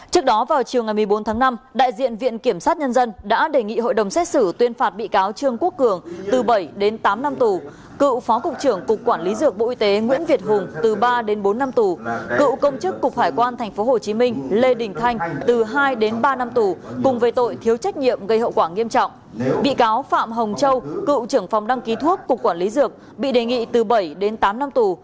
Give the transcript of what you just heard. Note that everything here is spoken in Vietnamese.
trước đó vào chiều ngày một mươi bốn tháng năm đại diện viện kiểm sát nhân dân đã đề nghị hội đồng xét xử tuyên phạt bị cáo trương quốc cường từ bảy đến tám năm tù cựu phó cục trưởng cục quản lý dược bộ y tế nguyễn việt hùng từ ba đến bốn năm tù cựu công chức cục hải quan tp hồ chí minh lê đình thanh từ hai đến ba năm tù cùng với tội thiếu trách nhiệm gây hậu quả nghiêm trọng bị cáo phạm hồng châu cựu trưởng phòng đăng ký thuốc cục quản lý dược bị đề nghị từ bảy đến tám năm tù